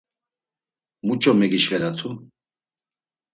Muç̌o megişvelatu?